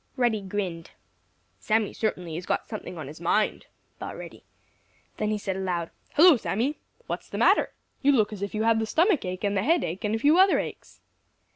Reddy grinned. "Sammy certainly has got something on his mind," thought Reddy. Then he said aloud: "Hello, Sammy! What's the matter? You look as if you had the stomach ache and the head ache and a few other aches."